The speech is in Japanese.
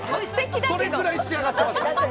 それくらい仕上がってました。